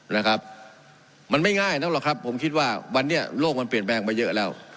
นะครับมันไม่ง่ายนักหรอกครับผมคิดว่าวันนี้โลกมันเปลี่ยนแปลงไปเยอะแล้ว